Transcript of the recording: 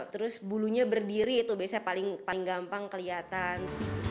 terus bulunya berdiri itu biasanya paling gampang kelihatan